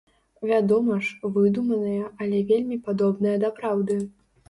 Вядома ж, выдуманыя, але вельмі падобныя да праўды.